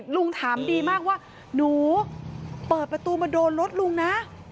ลุงถามดีมากว่าหนูเปิดประตูมาโดนรถลุงนะ